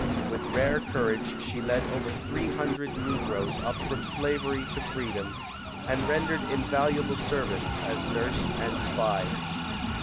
With rare courage, she led over 300 Negroes up from slavery to freedom, and rendered invalu able service as nurse and spy.